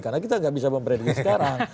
karena kita tidak bisa memprediksi sekarang